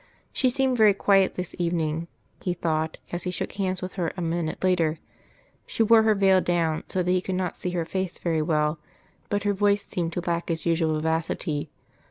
She seemed very quiet this evening, he thought, as he shook hands with her a minute later; she wore her veil down, so that he could not see her face very well, but her voice seemed to lack its usual vivacity.